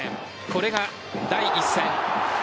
これが第１戦。